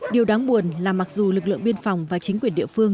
điều đáng buồn là mặc dù lực lượng biên phòng và chính quyền địa phương